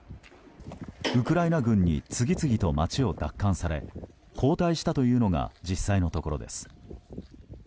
ウクライナ軍に次々と街を奪還され後退したというのが実際のところです。